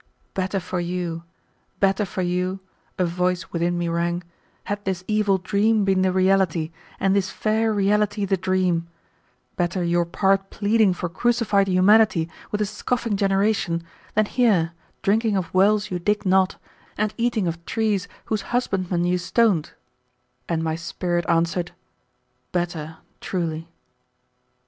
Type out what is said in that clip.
"Better for you, better for you," a voice within me rang, "had this evil dream been the reality, and this fair reality the dream; better your part pleading for crucified humanity with a scoffing generation, than here, drinking of wells you digged not, and eating of trees whose husbandmen you stoned"; and my spirit answered, "Better, truly."